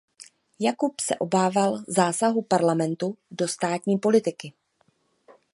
Jakub se obával zásahů parlamentu do státní politiky.